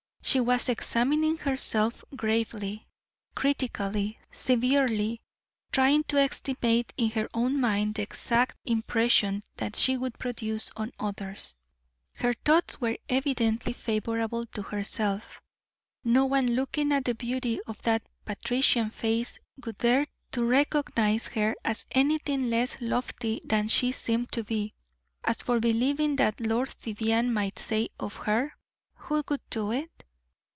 She was examining herself gravely, critically, severely, trying to estimate in her own mind the exact impression that she would produce on others. Her thoughts were evidently favorable to herself. No one looking at the beauty of that patrician face would dare to recognize her as anything less lofty than she seemed to be. As for believing what Lord Vivianne might say of her, who would do it?